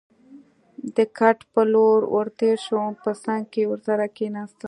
د کټ په لور ور تېر شوم، په څنګ کې ورسره کېناستم.